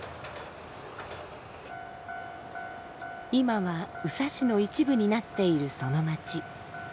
今は宇佐市の一部になっているその町。